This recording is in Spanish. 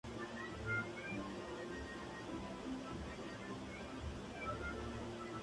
Se redujo aquel rango antes y durante la edad de hielo.